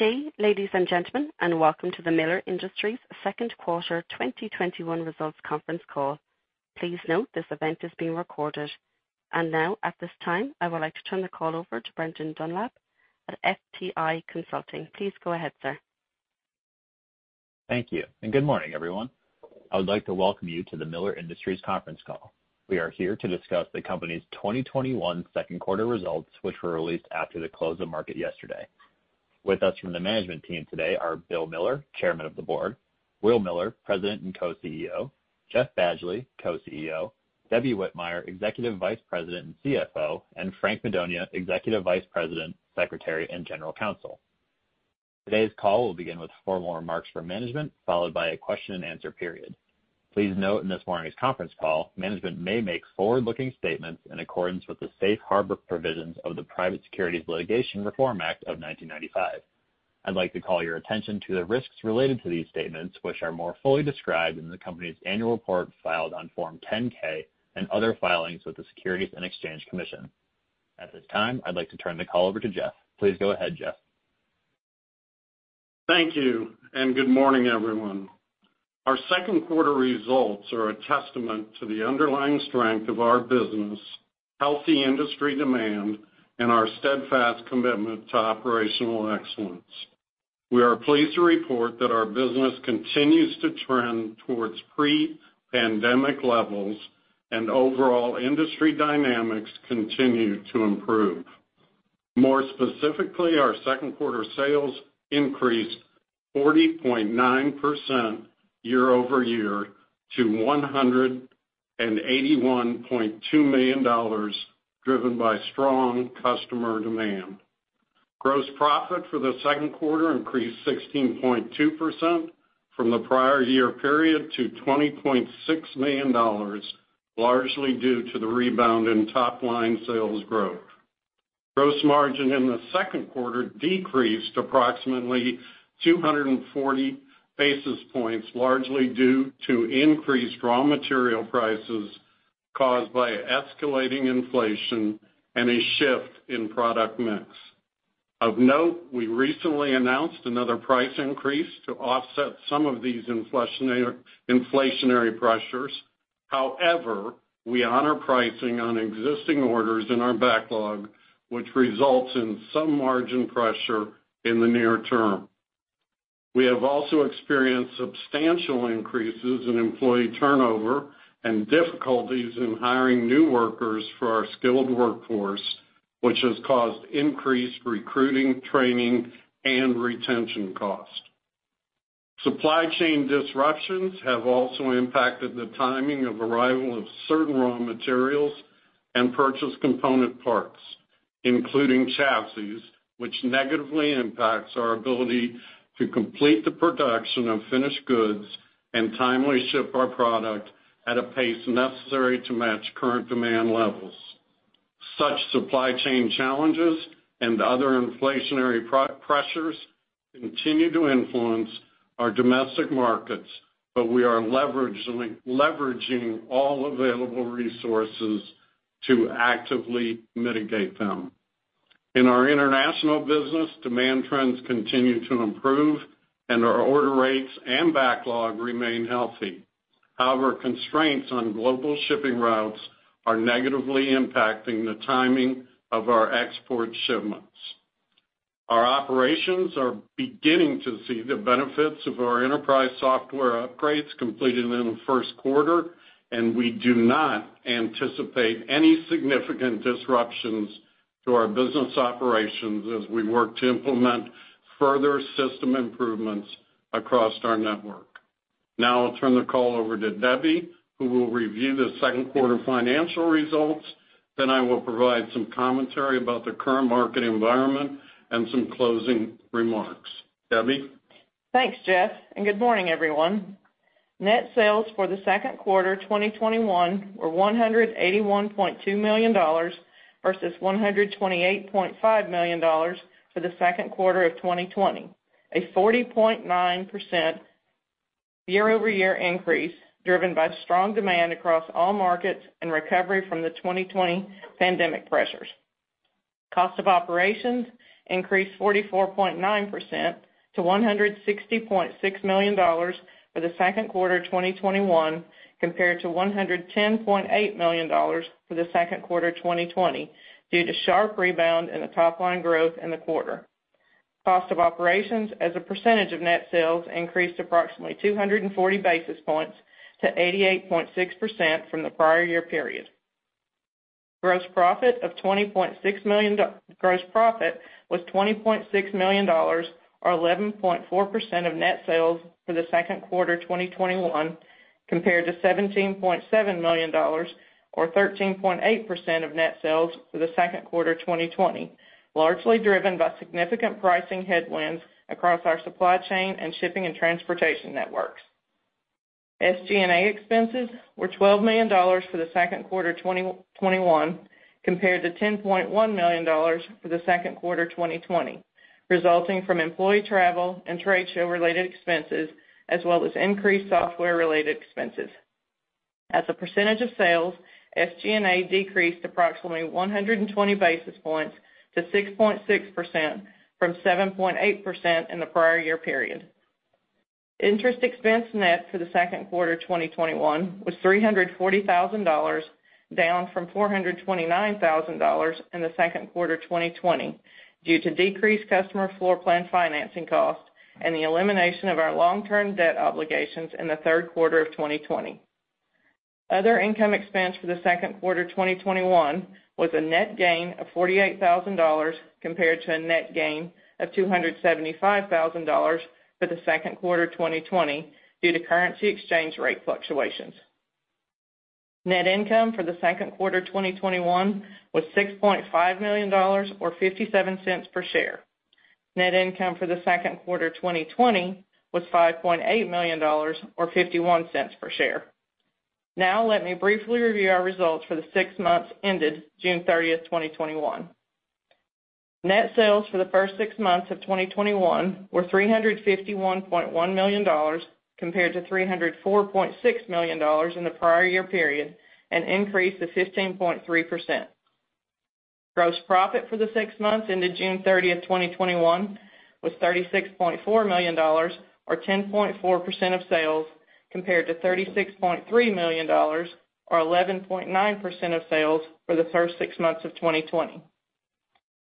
Good day, ladies and gentlemen, and welcome to the Miller Industries Second Quarter 2021 Results Conference Call. Please note this event is being recorded. Now, at this time, I would like to turn the call over to Brendan Dunlap at FTI Consulting. Please go ahead, sir. Thank you, and good morning, everyone. I would like to welcome you to the Miller Industries conference call. We are here to discuss the company's 2021 second quarter results, which were released after the close of market yesterday. With us from the management team today are Bill Miller, Chairman of the Board, Will Miller, President and Co-CEO, Jeff Badgley, Co-CEO, Debbie Whitmire, Executive Vice President and CFO, and Frank Madonia, Executive Vice President, Secretary, and General Counsel. Today's call will begin with formal remarks from management, followed by a question and answer period. Please note, in this morning's conference call, management may make forward-looking statements in accordance with the safe harbor provisions of the Private Securities Litigation Reform Act of 1995. I'd like to call your attention to the risks related to these statements, which are more fully described in the company's annual report filed on Form 10-K and other filings with the Securities and Exchange Commission. At this time, I'd like to turn the call over to Jeff. Please go ahead, Jeff. Thank you, good morning, everyone. Our second quarter results are a testament to the underlying strength of our business, healthy industry demand, and our steadfast commitment to operational excellence. We are pleased to report that our business continues to trend towards pre-pandemic levels and overall industry dynamics continue to improve. More specifically, our second quarter sales increased 40.9% year-over-year to $181.2 million, driven by strong customer demand. Gross profit for the second quarter increased 16.2% from the prior year period to $20.6 million, largely due to the rebound in top-line sales growth. Gross margin in the second quarter decreased approximately 240 basis points, largely due to increased raw material prices caused by escalating inflation and a shift in product mix. Of note, we recently announced another price increase to offset some of these inflationary pressures. We honor pricing on existing orders in our backlog, which results in some margin pressure in the near term. We have also experienced substantial increases in employee turnover and difficulties in hiring new workers for our skilled workforce, which has caused increased recruiting, training, and retention costs. Supply chain disruptions have also impacted the timing of arrival of certain raw materials and purchase component parts, including chassis, which negatively impacts our ability to complete the production of finished goods and timely ship our product at a pace necessary to match current demand levels. Such supply chain challenges and other inflationary pressures continue to influence our domestic markets. We are leveraging all available resources to actively mitigate them. In our international business, demand trends continue to improve and our order rates and backlog remain healthy. However, constraints on global shipping routes are negatively impacting the timing of our export shipments. Our operations are beginning to see the benefits of our enterprise software upgrades completed in the first quarter, and we do not anticipate any significant disruptions to our business operations as we work to implement further system improvements across our network. Now I'll turn the call over to Debbie, who will review the second quarter financial results. I will provide some commentary about the current market environment and some closing remarks. Debbie? Thanks, Jeff, good morning, everyone. Net sales for the second quarter 2021 were $181.2 million, versus $128.5 million for the second quarter of 2020, a 40.9% year-over-year increase driven by strong demand across all markets and recovery from the 2020 pandemic pressures. Cost of operations increased 44.9% to $160.6 million for the second quarter 2021, compared to $110.8 million for the second quarter 2020, due to sharp rebound in the top-line growth in the quarter. Cost of operations as a percentage of net sales increased approximately 240 basis points to 88.6% from the prior year period. Gross profit was $20.6 million, or 11.4% of net sales for the second quarter 2021 compared to $17.7 million, or 13.8% of net sales for the second quarter 2020, largely driven by significant pricing headwinds across our supply chain and shipping and transportation networks. SG&A expenses were $12 million for the second quarter 2021 compared to $10.1 million for the second quarter 2020, resulting from employee travel and trade show related expenses, as well as increased software related expenses. As a percentage of sales, SG&A decreased approximately 120 basis points to 6.6% from 7.8% in the prior year period. Interest expense net for the second quarter 2021 was $340,000, down from $429,000 in the second quarter 2020 due to decreased customer floor plan financing costs and the elimination of our long-term debt obligations in the third quarter of 2020. Other income expense for the second quarter 2021 was a net gain of $48,000 compared to a net gain of $275,000 for the second quarter 2020 due to currency exchange rate fluctuations. Net income for the second quarter 2021 was $6.5 million or $0.57 per share. Net income for the second quarter 2020 was $5.8 million or $0.51 per share. Let me briefly review our results for the six months ended June 30th, 2021. Net sales for the first six months of 2021 were $351.1 million compared to $304.6 million in the prior year period, an increase of 15.3%. Gross profit for the six months ended June 30th, 2021 was $36.4 million or 10.4% of sales compared to $36.3 million or 11.9% of sales for the first six months of 2020.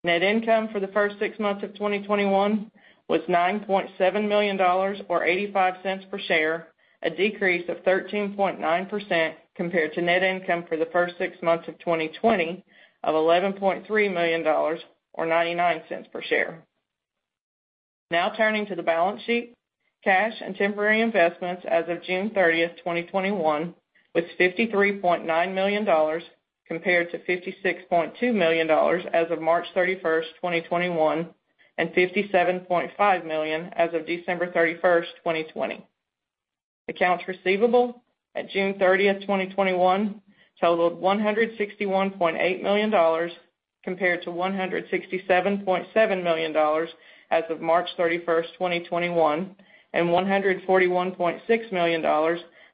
Net income for the first six months of 2021 was $9.7 million or $0.85 per share, a decrease of 13.9% compared to net income for the first six months of 2020 of $11.3 million or $0.99 per share. Turning to the balance sheet. Cash and temporary investments as of June 30th, 2021 was $53.9 million compared to $56.2 million as of March 31st, 2021, and $57.5 million as of December 31st, 2020. Accounts receivable at June 30th, 2021 totaled $161.8 million compared to $167.7 million as of March 31st, 2021, and $141.6 million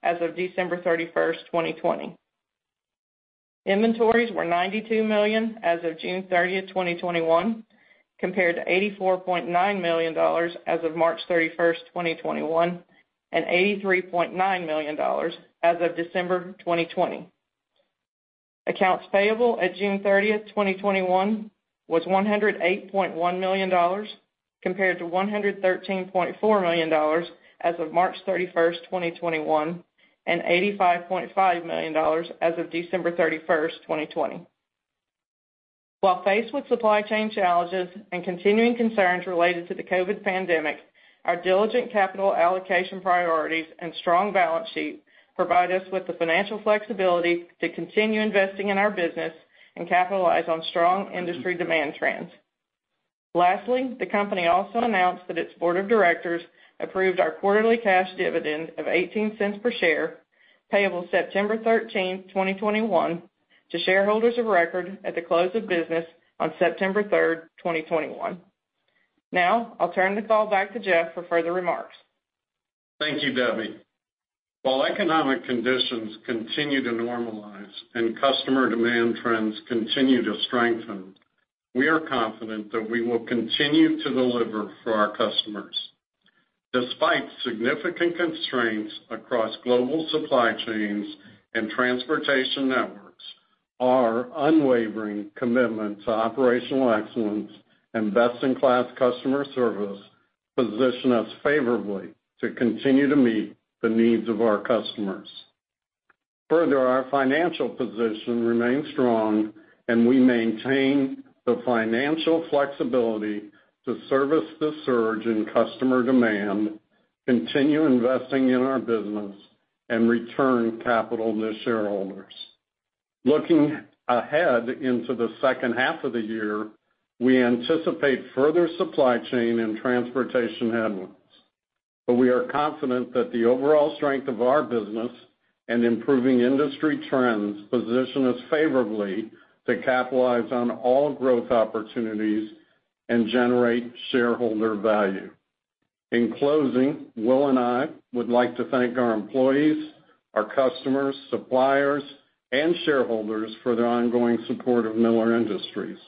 as of December 31st, 2020. Inventories were $92 million as of June 30th, 2021 compared to $84.9 million as of March 31st, 2021, and $83.9 million as of December 2020. Accounts payable at June 30th, 2021 was $108.1 million compared to $113.4 million as of March 31st, 2021, and $85.5 million as of December 31st, 2020. While faced with supply chain challenges and continuing concerns related to the COVID pandemic, our diligent capital allocation priorities and strong balance sheet provide us with the financial flexibility to continue investing in our business and capitalize on strong industry demand trends. Lastly, the company also announced that its board of directors approved our quarterly cash dividend of $0.18 per share, payable September 13th, 2021 to shareholders of record at the close of business on September 3rd, 2021. Now, I'll turn the call back to Jeff for further remarks. Thank you, Debbie. While economic conditions continue to normalize and customer demand trends continue to strengthen, we are confident that we will continue to deliver for our customers. Despite significant constraints across global supply chains and transportation networks, our unwavering commitment to operational excellence and best-in-class customer service position us favorably to continue to meet the needs of our customers. Further, our financial position remains strong and we maintain the financial flexibility to service the surge in customer demand, continue investing in our business and return capital to shareholders. Looking ahead into the second half of the year, we anticipate further supply chain and transportation headwinds. We are confident that the overall strength of our business and improving industry trends position us favorably to capitalize on all growth opportunities and generate shareholder value. In closing, Will and I would like to thank our employees, our customers, suppliers, and shareholders for their ongoing support of Miller Industries.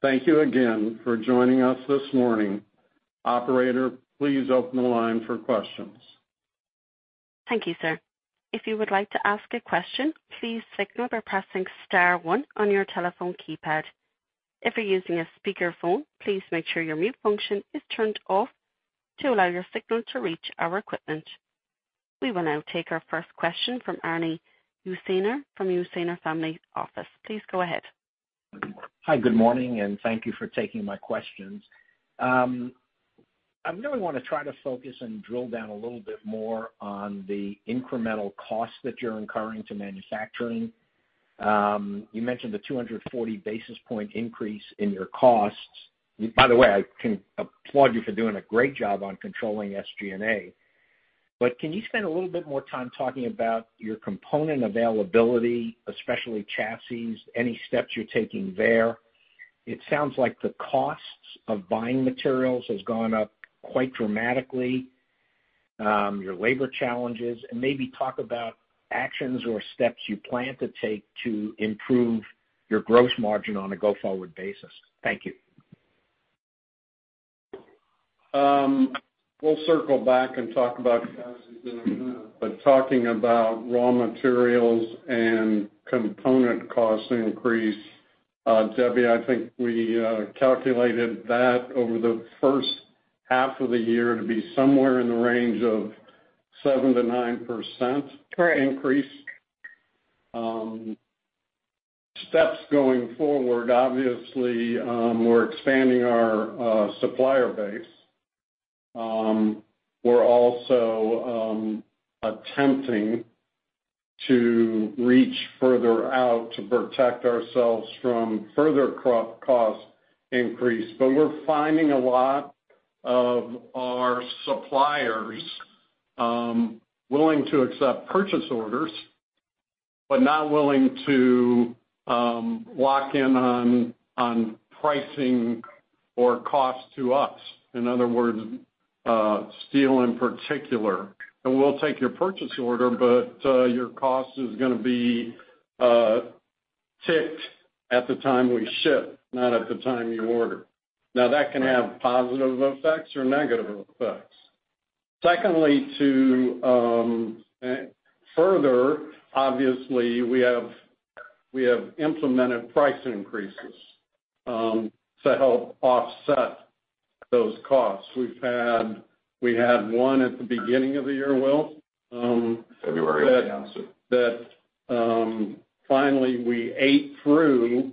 Thank you again for joining us this morning. Operator, please open the line for questions. Thank you, sir. If you would like to ask a question please secure by pressing star one on your telephone keypad. If you are using a speakerphone, please make sure your mute function is turned off to allow your signal to reach our equipment. We will now take our first question from [Arnie Ursaner from Ursaner Family Office]. Please go ahead. Hi, good morning. Thank you for taking my questions. I really want to try to focus and drill down a little bit more on the incremental cost that you're incurring to manufacturing. You mentioned the 240 basis point increase in your costs. I can applaud you for doing a great job on controlling SG&A. Can you spend a little bit more time talking about your component availability, especially chassis, any steps you're taking there? It sounds like the costs of buying materials has gone up quite dramatically. Your labor challenges. Maybe talk about actions or steps you plan to take to improve your gross margin on a go-forward basis. Thank you. We'll circle back and talk about chassis in a minute, but talking about raw materials and component cost increase, Debbie, I think we calculated that over the first half of the year to be somewhere in the range of 7%-9% increase. Steps going forward. Obviously, we're expanding our supplier base. We're also attempting to reach further out to protect ourselves from further cost increase. We're finding a lot of our suppliers willing to accept purchase orders, but not willing to lock in on pricing or cost to us. In other words, steel in particular. We'll take your purchase order, but your cost is going to be ticked at the time we ship, not at the time you order. That can have positive effects or negative effects. Secondly, obviously, we have implemented price increases to help offset those costs. We had one at the beginning of the year, Will? February is the answer. That finally we ate through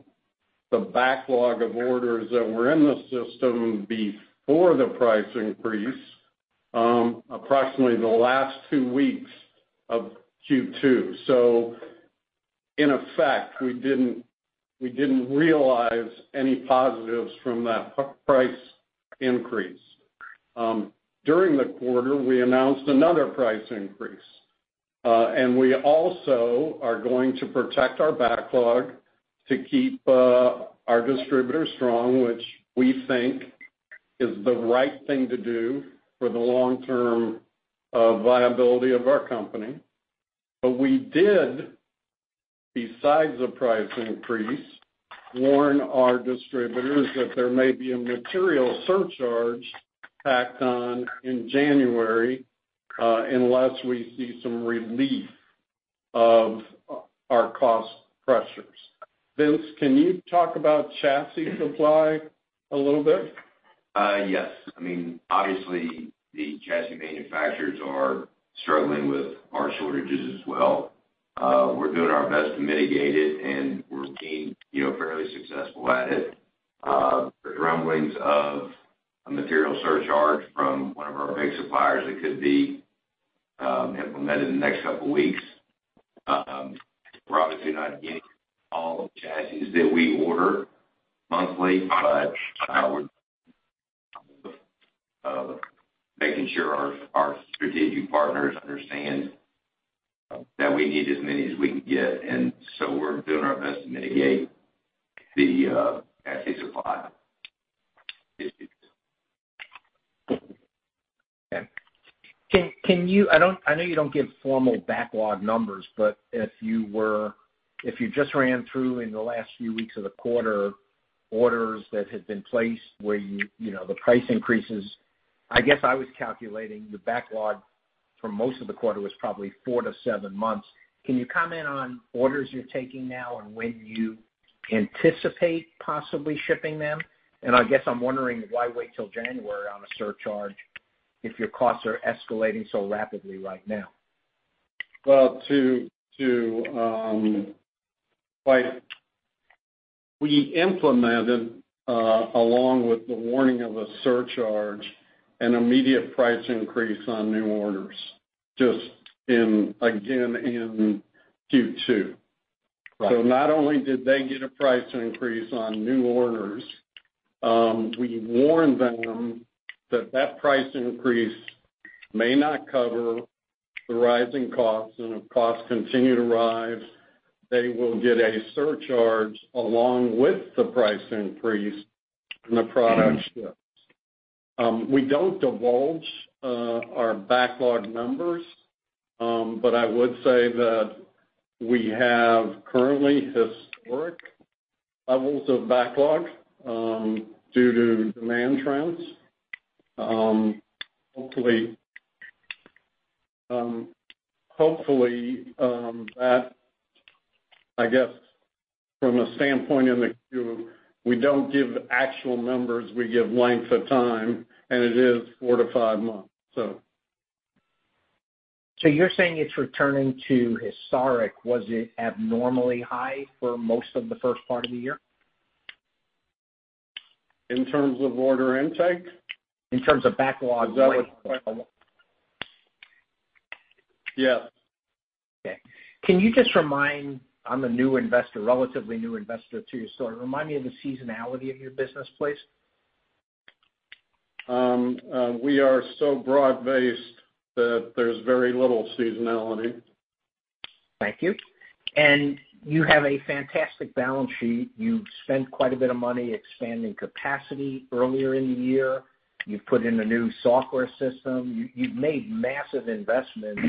the backlog of orders that were in the system before the price increase approximately the last two weeks of Q2. In effect, we didn't realize any positives from that price increase. During the quarter, we announced another price increase. We also are going to protect our backlog to keep our distributors strong, which we think is the right thing to do for the long-term viability of our company. We did, besides the price increase, warn our distributors that there may be a material surcharge tacked on in January unless we see some relief of our cost pressures. Will, can you talk about chassis supply a little bit? Yes. Obviously, the chassis manufacturers are struggling with our shortages as well. We're doing our best to mitigate it, and we're being fairly successful at it. There's rumblings of a material surcharge from one of our big suppliers that could be implemented in the next couple of weeks. We're obviously not getting all the chassis that we order monthly, but I would say making sure our strategic partners understand that we need as many as we can get. We're doing our best to mitigate the chassis supply issues. Okay. I know you don't give formal backlog numbers, but if you just ran through in the last few weeks of the quarter orders that had been placed where the price increases, I guess I was calculating the backlog for most of the quarter was probably four to seven months. Can you comment on orders you're taking now and when you anticipate possibly shipping them? I guess I'm wondering why wait till January on a surcharge if your costs are escalating so rapidly right now? Well, we implemented along with the warning of a surcharge, an immediate price increase on new orders just in, again, in Q2. Right. Not only did they get a price increase on new orders, we warned them that that price increase may not cover the rising costs, and if costs continue to rise, they will get a surcharge along with the price increase when the product ships. We don't divulge our backlog numbers, but I would say that we have currently historic levels of backlog due to demand trends. Hopefully that, I guess from a standpoint in the queue, we don't give actual numbers, we give length of time, and it is four to five months. You're saying it's returning to historic. Was it abnormally high for most of the first part of the year? In terms of order intake? In terms of backlog length. Is that what you're, yes. Okay. Can you just remind, I'm a new investor, relatively new investor to your story. Remind me of the seasonality of your business, please? We are so broad-based that there's very little seasonality. Thank you. You have a fantastic balance sheet. You've spent quite a bit of money expanding capacity earlier in the year. You've put in a new software system. You've made massive investments.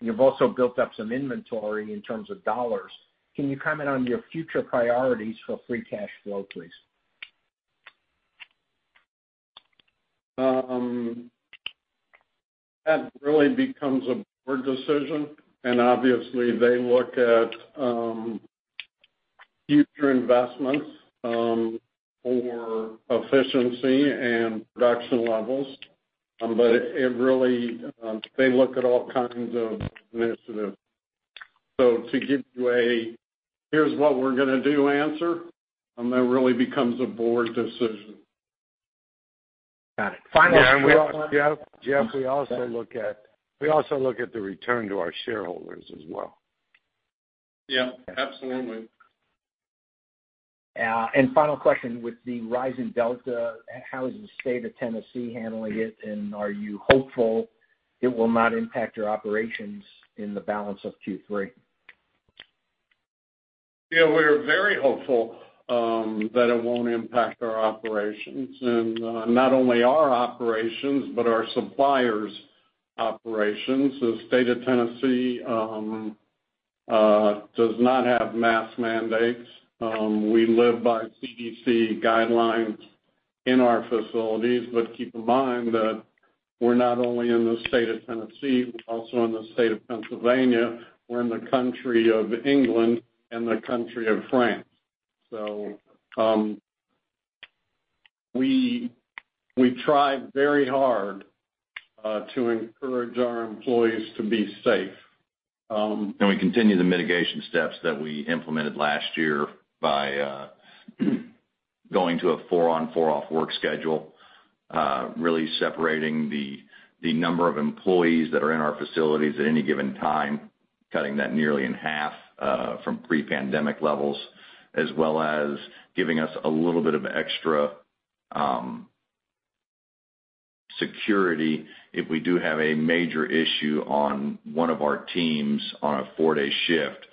You've also built up some inventory in terms of dollars. Can you comment on your future priorities for free cash flow, please? That really becomes a board decision and obviously they look at future investments for efficiency and production levels. They look at all kinds of initiatives. To give you a here's-what-we're-going-to-do answer, that really becomes a board decision. Got it. Jeff, we also look at the return to our shareholders as well. Yeah, absolutely. Final question, with the rise in Delta, how is the state of Tennessee handling it? Are you hopeful it will not impact your operations in the balance of Q3? Yeah, we're very hopeful that it won't impact our operations. Not only our operations, but our suppliers' operations. The state of Tennessee does not have mask mandates. We live by CDC guidelines in our facilities. Keep in mind that we're not only in the state of Tennessee, we're also in the state of Pennsylvania. We're in the country of England and the country of France. We try very hard to encourage our employees to be safe. We continue the mitigation steps that we implemented last year by going to a four on, four off work schedule. Really separating the number of employees that are in our facilities at any given time, cutting that nearly in half from pre-pandemic levels, as well as giving us a little bit of extra security if we do have a major issue on one of our teams on a four-day shift.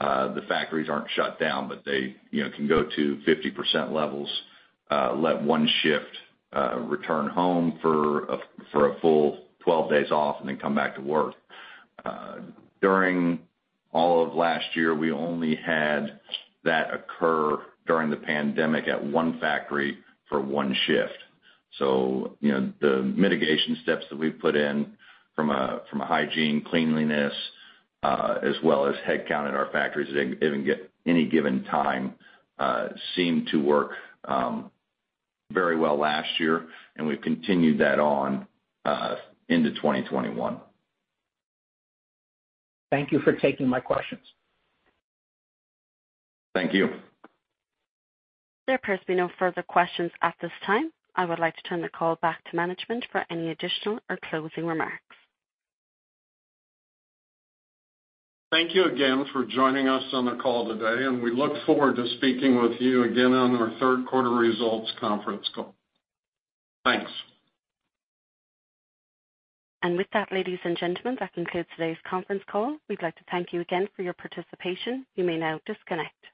The factories aren't shut down, but they can go to 50% levels, let one shift return home for a full 12 days off, and then come back to work. During all of last year, we only had that occur during the pandemic at one factory for one shift. The mitigation steps that we've put in from a hygiene cleanliness, as well as headcount at our factories at any given time, seemed to work very well last year, and we've continued that on into 2021. Thank you for taking my questions. Thank you. There appears to be no further questions at this time. I would like to turn the call back to management for any additional or closing remarks. Thank you again for joining us on the call today. We look forward to speaking with you again on our third quarter results conference call. Thanks. With that, ladies and gentlemen, that concludes today's conference call. We'd like to thank you again for your participation. You may now disconnect.